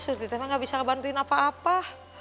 surti teh mah gak bisa ngebantuin apa apa